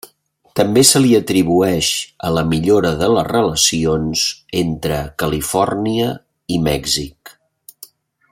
També se li atribueix a la millora de les relacions entre Califòrnia i Mèxic.